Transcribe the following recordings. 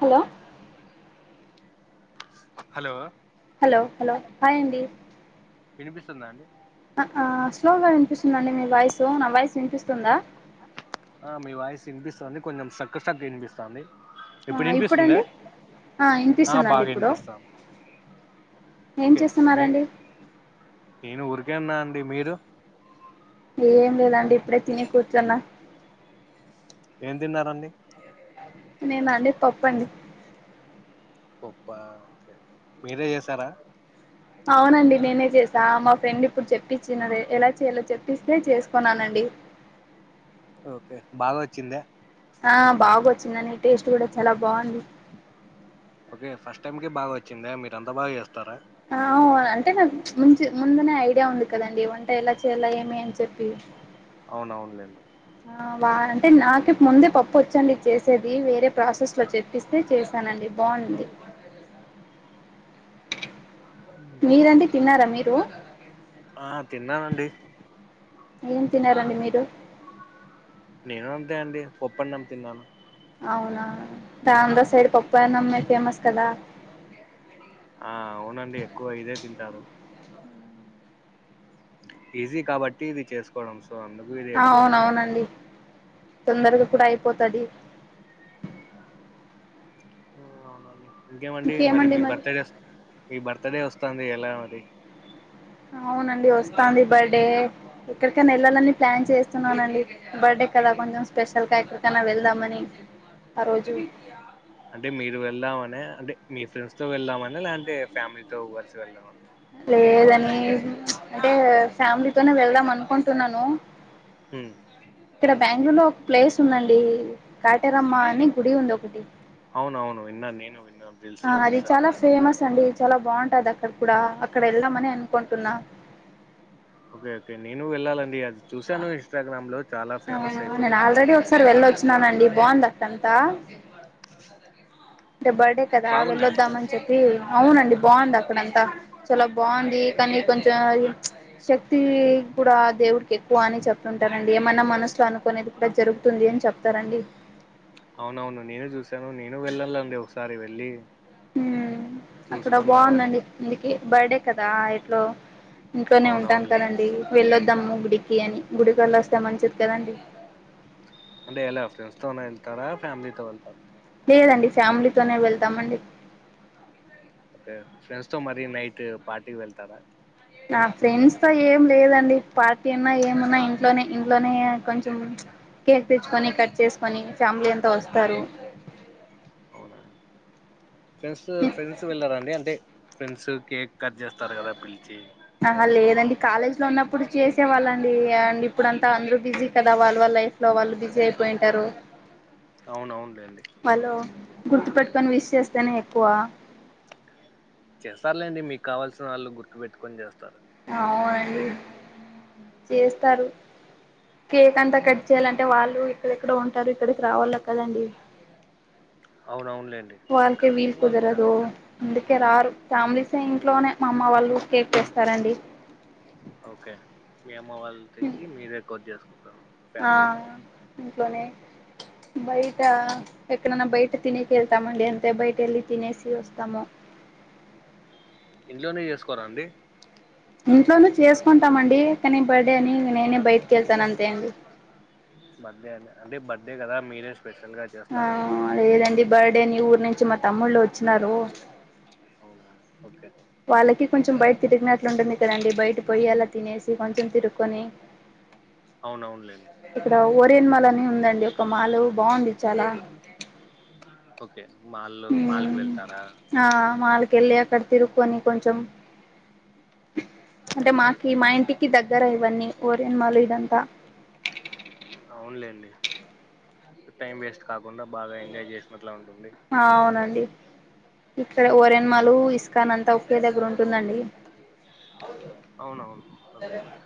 hello hello hello hello hi అండి వినిపిస్తుందా అండి అ ఆ స్లోగా వినిపిస్తుందండి మీ వాయిసు నా వాయిస్ వినిపిస్తుందా మీ వాయిస్ వినిపిస్తుంది కొంచెం స్ట్రక్ స్ట్రక్ వినిపిస్థంది ఇప్పుడు వినిపిస్తుంద ఇప్పుడండి ఆ వినిపిస్తుందండి బాగా ఇప్పుడు వినిపిస్తాంది ఏం ఓకే చేస్తున్నారండి కే ఉన్నా అండి మీరు ఏం లేదండి ఇప్పుడే తిని కూర్చున్నా ఏం తిన్నారండి నేను అండి పప్పండి పప్ప ఒకే మీరే చేసారా అవునండి నేనే చేసా మా ఫ్రెండ్ ఇప్పుడు చెప్పించినదే ఎలా చేయాలో చెప్పిస్తే చేసుకున్నానండి ఓకే బాగా వచ్చిందా ఆ బాగొచ్చిందని టేస్ట్ కూడా చాలా బాగుంది ఓకే ఫస్ట్ టైమ్ కి బాగా వచ్చిందా మీరు ఎంత బాగా చేస్తారా అ వ్ అంటే నాకు ముంచి ముందునే ఐడియా ఉంది కదండి వంట ఎలా చేయాల ఏమి అని చెప్పి అవునవునులేండి ఆ వా అంటే నాకు ముందే పప్పు వచ్చండి చేసేది వేరే ప్రాసెస్ లో చెప్పిస్తే చేసానండి బాగుంది మీరండి తిన్నారా మీరు ఆ తిన్ననండి ఏం తినారండి మీరు నేను అంతే అండి పప్పు అన్నం తిన్నాను అవునా ఆంధ్ర సైడ్ పప్పనమ్మే ఫేమస్ కదా ఆ అవునండి ఎక్కువ ఇదే తింటారు ఈజీ కాబట్టి ఇది చేసుకోవడం సో అందుకు ఇది ఎక్కువ తింటారు అవునవునండి తొందరగా కూడా అయిపోతది అవునండి ఇంకేమండి మరి మీ బర్త్ డే మీ బర్త్ బర్త్ డే వస్తాంది ఎలా మరి అవునండి వస్తాంది బర్దే ఎక్కడికైనా వెళ్లాలని ప్లాన్ చేస్తున్నానండి బర్డే కదా కొంచెం స్పెషల్గా ఎక్కడికైనా వెళ్దామని ఆ రోజు అంటే మీరు వెళ్దామనా అంటే మీ ఫ్రెండ్స్ తో వెళ్దామనే లేకుంటే ఫ్యామిలీతో కలిసి వెళ్దామనా లేదండీ అంటే ఫ్యామిలీతోనే కలసి వెళ్దాం అనుకుంటున్నాను హుమ్ ఇక్కడ బెంగళూరు లో ఒక ప్లేస్ ఉందండి కాటేరమ్మ అని గుడి ఉంది ఒకటి అవునవును విన్న నేను విన్నాను రీల్స్ ఆ లో అది చూసాను చాలా ఫేమస్ అండి చాలా బాగుంటది అక్కడ కూడా అక్కడ వెళ్ళామని అనుకుంటున్నా ఓకే ఓకే నేను వెళ్ళాలండి అది చూశాను ఇన్స్టాగ్రామ్ లో చాలా ఆ ఫేమస్ నేను అయిపోయింది ఆల్రెడీ ఒకసారి వెళ్ళొచినానండి బాగుంది అక్కడంతా అంటే బర్డే కదా బాగుందండి చూ వెల్లోదామని చెప్పీ అవునండి బాగుంది అక్కడంతా చాలా బాగుంది కానీ కొంచెం శక్తి కూడా దేవుడికి ఎక్కువ అని చెప్తుంటారండి ఏమన్నా మనం మనసులో అనుకునేది కుడా జరుగుతది అని చెప్తారండి అవునవును నేను చూశాను నేను వెళ్ళాలండి ఒకసారి వెళ్ళి అక్కడ చూసుకొని రావాలి బాగుందండి అందుకే బర్డే కదా ఎట్లో ఇంట్లోనే ఉంటాను అవునవునులేండి కదండి వెళ్ళొద్దాము గుడికి అని గుడికెల్లోస్తే మంచిది కదండి అంటే ఎలా ఫ్రెండ్స్ తోనే వెళ్తారా ఫ్యామిలీ తో వెళ్తార లేదండి ఫ్యామిలీతోనే వెళ్తామండి ఫ్రెండ్స్ తో మరీ నైట్ పార్టీకి వెళ్తారా నా ఫ్రెండ్స్ తో ఏం లేదండి పార్టీ ఉన్నా ఏమున్నా ఇంట్లోనే ఇంట్లోనే కొంచెం కేక్ తెచ్చుకొని కట్ చేసుకొని ఫ్యామిలీ అంత వస్తారు అవునా ఫ్రెండ్స్ ఫ్రెండ్స్ వెళ్ళరాండి అంటే ఫ్రెండ్స్ కేక్ కట్ చేస్తారు కదా పిలిచి ఆహా లేదండి కాలేజ్ లో ఉన్నప్పుడు చేసేవాల్లండి అండ్ ఇప్పుడు అంతా అందరు బిజీ కదా వాళ్ళ వాల లైఫ్ లో వాళ్ళు బిజీ అయిపోయింటారు అవునవును లేండి గుర్తు పెట్టుకొని విస్ చేస్తేనే ఎక్కువ చేస్తారులేండి మీకు కావాల్సిన వాళ్ళు గుర్తుపెట్టుకొని చేస్తారు అవునండి చేస్తారు కేక్ అంతా కట్ చేయాలంటే వాళ్ళు ఎక్కడెక్కడో ఉంటారు ఇక్కడకి రావాల కదండి అవునవునులేండి వాళకి ఇక్కడంటే వీల్ వాళ్ళు జాబ్ కుదిరదు చేస్తుంటారు అందుకేారుారు ఫ్యామిలీస్ ఎ ఇం ఇంట్లోనే మా అమ్మ వాళ్ళు కేక్ తేస్తారండి ఓకే మీ అమ్మ వాళ్ళు తెచ్చి మీరే కట్ చేసుకో ఆ ఇంట్లోనే బయట ఎక్కడన్నా బయట తినకెళ్తామండి అంతే బయట ఎళ్ళ తినేసి వస్తాము ఇంట్లోనే చేసుకోరా అండి ఇంట్లోనే చేసుకుంటామండి కానీ బర్త్డే అని నేనే బయటికి వెళ్తాను అంతే అండి బర్త్డే అం అంటే బర్త్డే కదా మీరే స్పెషల్ గా చేస్తారేమో అని బర్డే అని ఊరు నుంచి మా తమ్ముళ్ళు వచ్చినారు అవునా ఓకే వాళ్ళకి కొంచెం బయట తిరిగినట్లు ఉంటది కదండి బయట పోయి అలా తినేసి కొంచెం తిరుక్కొని అవునవునులేండి సేమ్ అలానే ఉందండి ఒక మాలు బాగుంది చాలా ఓకే మాళ్ళు మాల్ కు వెళ్తారా కెళ్ళి అక్కడ తిరుక్కొని కొంచెం అంటే మాకి మా ఇంటికి దగ్గర ఇవన్నీ ఓరియన్మాలు ఇదంతా అవునులేండి టైం వేస్ట్ కాక్ కాకుండా బాగా ఎంజాయ్ చేసినట్లే ఉంటుంది ఆ అవునండి ఇక్కడ ఓరెన్మాలు ఇస్కాన్ అంతా ఒకే దగ్గర ఉంటుందండి అవునవును ఓకే ఓకే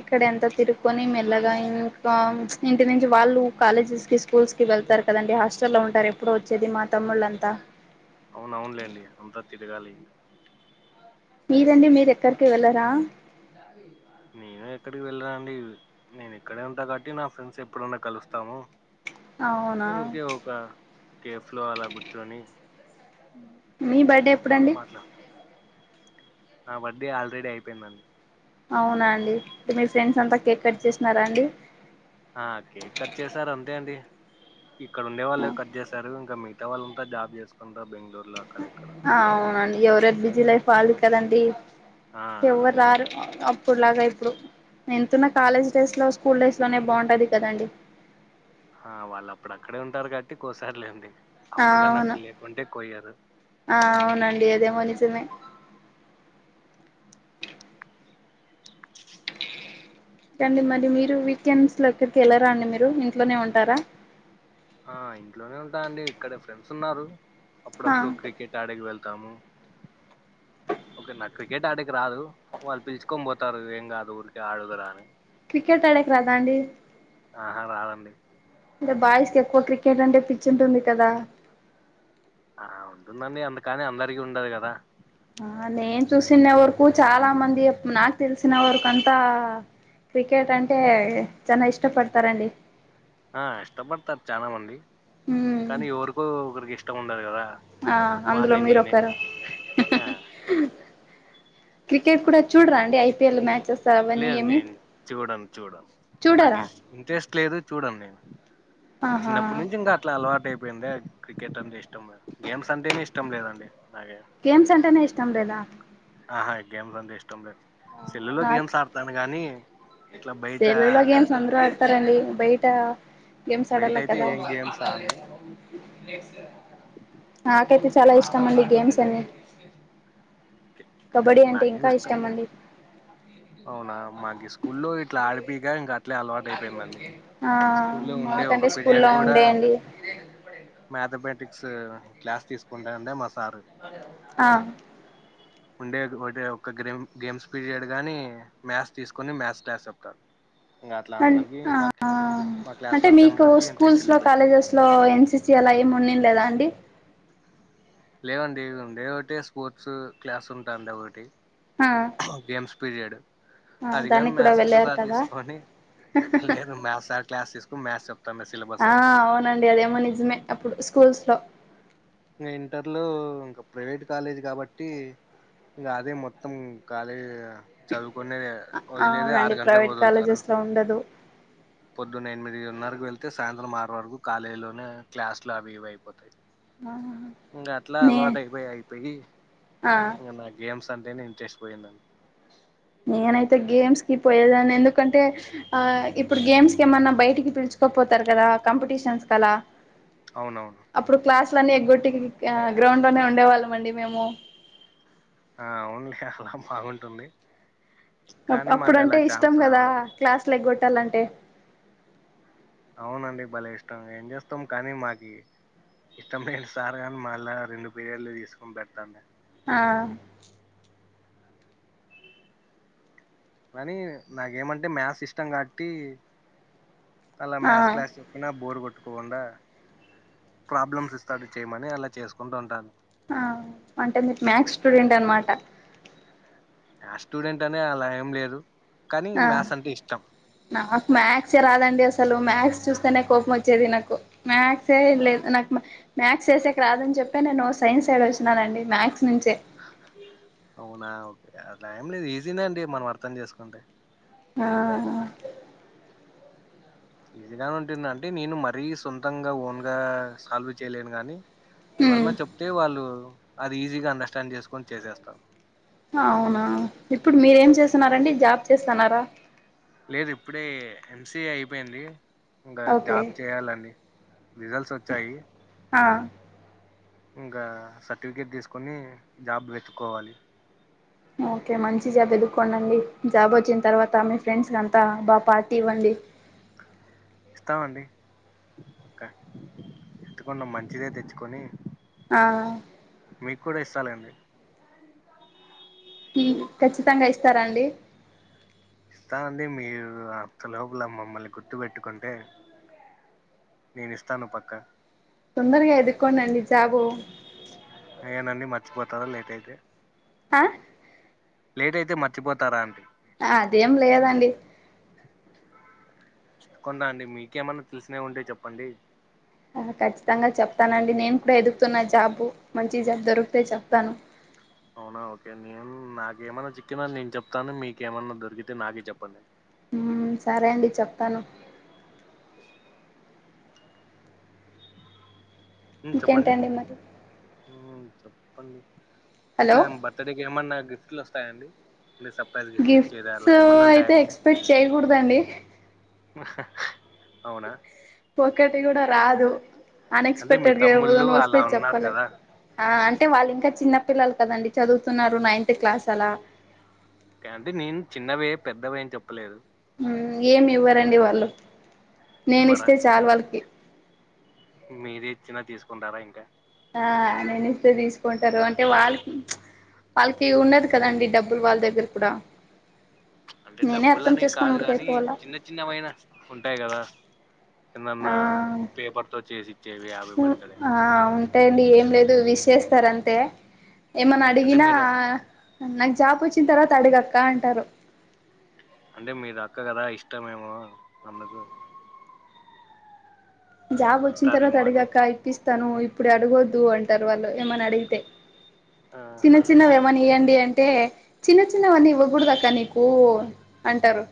ఇక్కడ అంత తిరుకొని మె లాగా ఇంకా ఇంటి నుంచి వాళ్ళు కాలేజెస్ కి స్కూల్స్ కి వెళ్తారు కదండి హాస్టల్లో ఉంటారు ఎప్పు వచ్చేది మా తమ్ముళ్ళంతా అవున అవునులేండి అంతా తిరగాలి మీరండి మీరు ఎక్కడికి వెళ్ళరాా నేను ఎక్కడికి వెళ్ళా అండి నేను ఎక్కడే ఉంటా కాబట్టి నా ఫ్రెండ్స్ ఎప్పుడున్నా కలుస్తాము అవునా ఊరికే ఒక కేఫ్ లో అలా కూర్చుొని మీ బర్త్డే ఎప్పుడండి నా బర్డీ ఆల్రెడీ అయిపోయిందండి అవునా అండి అంటే మీ ఫ్రెండ్స్ అంతా కేక్ కట్ చేసినారా అండి ఆ కేక్ కట్ చేశారు అంతే అండి ఇక్కడ ఉండే వాళ్ళు కట్ చేశారు ఇంకా మిగతా వాళ్ళు ఉంతా జాబ్ చేసుకుంటారు బెంగళూరు అవునండి ఎవరెది బిజీ లైఫ్వాలి కదండి ఆ ఎవరు అదే రారు అప్పుడులాగా ప్పుడు ఎంతున్న కాలేజ్ డేస్ లో స్కూల్ డేస్ లోనే బాగుంటది కదండి ఆ వాళ్ళు అప్పుడు అక్కడే ఉంటారు కాబట్టికోస్తర్లెండి ఆ అవును ఆ అవునండి అదేమో నిజమే అండి మరి మీరు వీకెండ్స్ లో ఎక్కడికి వెళ్ళరాా అండి మీరు ఇంట్లోనే ఉంటారా ఆ ఇంట్లోనే ఉంటా అండి ఇక్కడ ఫ్రెండ్స్ ఉన్నారు ఆ అప్పుడప్పుడు క్రికెట్ ఆడేకి వెళ్ తాము ఓకే నా క్రికెట్ ఆడేకి రాదు వాళ్ళు తీసుకోన్ పో తారు ఎం కాదు ఊకే ఆడుదువు రా అని క్రికెట్ ఆడేకి రాధాండి ఆహా రాదండి అంటే బాయ్స్ కి ఎక్కువ క్రికెట్ అంటే పిచ్చి ఉంటుంది కదా ఆ ఉంటుందండి అందుకని అందరికి ఉండదు కదా ఆ నేను చూసిన్నే వరకు చాలా మంది నాకు తెలిసిన వరకు అంతా క్రికెట్ అంటే చాన ఇష్టపడతారండి ఆ ఇష్టపడతారు చానా మంది ఉమ్ కానీ ఎవరికో ఒకరికి ఇష్టం ఉండదు కదా ఆ అందులో వాన్ని మీరు నేనే ఒకరు ఆ క్రికెట్ కూడా చూడరా అండి ఐపీఎల్ మ్యాచెస్ అవన్నీ లేదు ఏమి నేను చూడను చూడను నాకు చూడరా ఇంట్రెస్ట్ లేదు చూడను నేను ఆహా చిన్నప్పటి నుంచి ఇంగ అట్లా అలవాట్ అపోయింద క్రికెట్ అంటే ఇష్టం లే గేమ్స్ అంటేనే ఇష్టం లేదండి నాకే గేమ్స్ అంటేనే ఇష్టం లేదా ఆహా గేమూలంటే ఇష్టం లేదు సెల్లు లో నాకు గేమ్స్ ఆడతాను గానీ ఇట్లా బయట సెల్లులో గేమ్స్ అందరూ ఆడతారండి బయట గేమ్స్ బయట ఆడాళ్ల అయితే కదా ఏం గేమ్స్ ఆడను నాకైతే చాలా ఇష్టం అండి గేమ్స్ అన్ని కబడ్డీ అంటే నాకేమి ఇంకా ఇష్టం లేదు అండి అవునా మాకీ స్కూల్లో ఇట్లా ఆడిప్ పిగా అట్లే అలవాటు అయిపోయిందండి ఆ స్కూల్లో ఉండే ఒక మాకంటే పిరియాడ్ స్కూల్లో కూడా ఉండేయండి మ్యాథమెటిక్స్ క్లాస్ తీసుకుంటాంటే మ స్ ఆ ఉండే ఒకే ఒక గేమ్ గేమ్స్ పీరియడ్ గానీ మ్యాథ్స్ తీసుకొని మ్యాథ్స్ క్లాస్ చెప్తారు ఇంకా అట్లా అం అందరికి మా మా క్లాస్ వాళ్ళకి మీకు అందరికి ఇంట్రెస్ట్ స్కూల్స్ లో వెళ్ళిపోయింది కాలేజెస్ లో ఎన్సిసి ఆ అలా ఏం ఉన్నిండి లేదా అండి లేవండి ఉండే ఒకటి స్పోర్ట్స్ క్లాస్ ఉంటాండి ఒకటి ఆ గేమ్స్ పీరియడ్ ఆ అది గాని దానికి కూడా మ్యాథ్స్ కు వెళ్ళారు సార్ కదా తీసుకొని లేదు మ్యాథ్స్ సార్ క్లాస్ తీసుకుని మ్యాథ్స్ చెప్తాండే సిలబస్ ఆ అయిపో అవునండి అదేమో నిజమే అప్పుడు స్కూల్స్ లో నేన్ ఇంటర్లో ఇంకా ప్రైవేట్ కాలేజీ కాబట్టి ఇంకా అదే మొత్తం కాలే చదువుకునేది ఆ వదిలేది అవునండి ఆరు గంటలకు ప్రైవేట్ వదులుతారు కాలేజెస్ లో ఉండదు పొద్దున్న ఎనిమిదిన్నరకు వెళ్తే సాయంత్రం ఆరు వరకు కాలేజీ లోనే క్లాస్లు అవి ఇవి అయిపోతాయి ఆ ఇంగా అట్లా నే అలవాటు అయిపోయి అయిపోయి ఆ ఇంగ నా గేమ్స్ అంటేనే ఇంట్రెస్ట్ పోయిందండి నేనైతే గేమ్స్ కి పోయేదాన్నీ ఎందుకంటే ఆ ఇప్పుడు గేమ్స్ కి ఏమన్నా బయటికి పిలుచు కోపోతారు కదా కాంపిటీషన్స్ కలా అవునవును న్నీ ఎగ్గొట్టి ఆ గ్రౌండ్ లోనే ఉండేవాళ్ళం అండి మేము ఆ అవున్లే అలా బాగుంటుంది అప్ కానీ మాకు అలా అప్పుడంటే ఇష్టం ఛాన్స్ కదా రావడం క్లాస్లు ఎగ్గొట్టాలంటే అవునండి బలే ఇష్టం ఏం చేస్తాం కానీ మాకి ఇష్టం మైన సార్ గానీ మళ్ళా రెండు పీరియడ్లు తీసుకొని పెడతాండే ఆ మనీ నాకేమంటే మ్యాథ్స్ ఇష్టం కాబట్టి అలా ఆ మ్యాత్స్ క్లాస్ చెప్పినా బోర్ కొట్ ట్టుకోకుండా ప్రాబ్లమ్స్ ఇస్తాడు చేయమని అలా చేసుకుంటూ ఉంటాను ఆ అంటే మీరు మ్యాథ్స్ స్టూడెంట్ అనమాట మ్యాథ్స్ స్టూడెంట్ అనే అలా ఏం లేదు కానీ ఆ మ్యాథ్స్ అంటే ఇష్టం నాకు మ్యాథ్స్ ఏ రాదండి అసలు మ్యాథ్స్ చూస్తేనే కోపం వచ్చేది నాకు మాథ్స్ ఏ లేదు నాకు మాథ్స్ చేసేకి రాదని చెప్ప నేను సైన్స్ సైడ్ వచ్చిననండి మాథ్స్ నుంచే అవునా ఓకే అట్ల ఏం లేదు ఈజీనే అండి మనం అర్థం చేసుకుంటే ఆ ఈజీగానే ఉంటుందంటే నేను మరీ సొంతంగా ఓన్ గా సాల్వ్ చేయలేను గానీ ఉమ్ ఎవరన్న చెప్తే వాళ్ళు అది ఈజీగా అండర్స్టాండ్ చేసుకొని చేసేస్తా అవునా ఇప్పుడు మీరేం చేస్తన్నారండి జాబ్ చేస్తన్నారా లేదు ఇప్పుడే ఎంసిఏ అయిపోయింది ఇంకా ఓకే జాబ్ చేయాలండి రిజల్ట్స్ వచ్చాయి ఆ ఇంకా సర్టిఫికేట్ తీసుకొని జాబ్ వెత్తుకోవాలి ఓకే మంచి జాబ్ ఎదుకొండండి జాబ్ వచ్చిన తర్వాత మీ ఫ్రెండ్స్ కంతా బా పార్టీ ఇవ్వండి ఇస్తామండి ఇక ఎతుకున్దాం మంచిదే తెచ్చుకొని ఆ మీక్కూడా ఇస్తాలేన్డి హ్మ్ ఖచ్చితంగా ఇస్తారాండి ఇస్తా అండి మీరు అంత లోపల మమ్మల్ని గుర్తు పెట్టుకుంటే నేనిస్తాను పక్క తొందరగా ఎదుకోండండి జాబు అయ్యో నన్ని మర్చిపోతారా లేట్ అయితే ఆ లేటైతే మర్చిపోతారా అండి అదేం లేదన్డి చిప్పుకుందా అండి మీకేమన్నా తెలిసినవి ఉంటే చెప్పండి ఆ ఖచ్చితంగా చెప్తానండి నేను కూడా ఎదుగుతున్నా జాబు మంచి జాబ్ దొరికితే చెప్తాను అవునా ఓకేండి హ్మ్ నాకేమైన్నా చిక్కినా నేను చెప్తాను మీకేమైన్నా దొరికితే నాకి చెప్పండి హ్మ్ సరే అండి చెప్తాను హ్మ్ చెప్పండి ఇంకేంటండి మరి హ్మ్ చెప్పండి హలో ఇట్లా ఏం బర్తడేకి ఏమన్నా గిఫ్ట్లు వస్తాయండి అంటే సర్ప్రైజ్ గిఫ్ట్లు ఇచ్చేది గిఫ్ట్స్ అలా ఏమన్నా అయితే ఉంటాయా ఎక్స్పెక్ట్ చేయకూడదండి అవునా ఒకటి కూడా రాదు అంటే మీ అన్ఎక్స్పెక్టెడ్ గా తమ్ముళ్ళు ఎవన వస్తే అలా ఉన్నారు చెప్పలేమ్ కదా ఆ అంటే వాళ్లిన్కా చిన్న పిల్లలు కదండి చదువుతున్నారు నైన్త్ క్లాస్ అలా ఓకే అండి నేను చిన్నవే పెద్దవి ఏం చెప్పలేదు హ్మ్ ఏమి ఇవ్వరండి వాళ్ళు నేనిస్తే చాలు వాళ్ళకి మీరిచ్చినా తీసుకుంటారా ఇంకా ఆ నేనిస్తే తీసుకుంటారు అంటే వాళ్ళకి వాళ్ళకి ఉండదు కదండి డబ్బులు వాళ్ళ దగ్గర కూడా అంటే నేనే అర్థం డబ్బులని చేసుకొని కాదు ఊరికే కాని అయిపోవాల చిన్న చిన్నవైన ఉంటాయి కదా ఆ ఎందన్నా పేపర్ తో చేసిచ్చేవి హ్యాపీ బర్త్డే అండి ఏం లేదు విష్ చేస్తారంతే ఏమన్నా అంటే అడిగినా మీరు నాకు జాబ్ వచ్చిన తర్వాత అడుగక్క అంటారు అంటే మీ దక్క కదా ఇష్టమేమో అందుకు జాబ్ వచ్చిన తర్వా త ఇస్తారేమో అని అడిగక ఇప్పిస్ తను ఇప్పుడు అడగొద్దు అంటారు వాళ్ళు ఏమని అడిగితే చిన్న ఆహా చిన్నవి ఏమన్న ఇయ్యండి అంటే చిన్న చిన్నవన్నీ ఇవ్వకూడదక్క నీకు అంటారు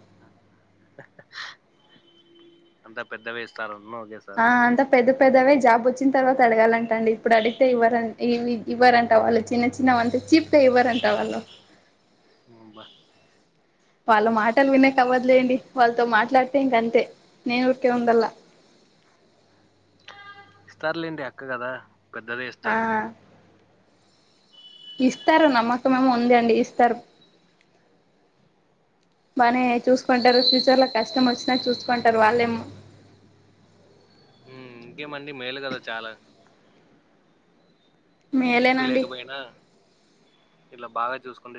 అంతా పెద్దవే ఇస్తారు ఆ అంత పెద్ద పెద్దవే జాబ్ వచ్చిన తర్వాత అడగాలంట అండి ఇప్పుడు అడిగితే ఇవ్వ ఇవ్ ఇవ్వరంట వాళ్ళు చిన్న చిన్న అంటే చెప్తే ఇవ్వ అంటా వాళ్ళు అబా వాళ్ళ మాటలు వినేద్లేండి వాళ్ళతో మాట ట్లాతే ఇంకా అంత నేనుఊకే ఉండల్ల ఇస్తారులేండి అక్క కదా పెద్దదే ఆ ఇస్తారు ఇస్తారు నమ్మకంేమో ఉందండి ఇస్తారు బానే చూసుకుంటారు ఫ్యూచర్ లో కష్టం వచ్చినా చూసుకుంటారు వాళ్ళేమో మ్ ఇంకేమండి మేలు కదా చాలా గిఫ్ట్ మేలేనండి లేకపోయినా ఇట్లా బాగా చూసుకుంటే